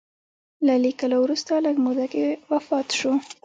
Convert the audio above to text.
له لیکلو وروسته لږ موده کې وفات شو.